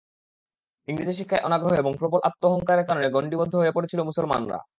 ইংরেজি শিক্ষায় অনাগ্রহ এবং প্রবল আত্ম-অহংকারের কারণে গণ্ডিবদ্ধ হয়ে পড়েছিল মুসলমানরা।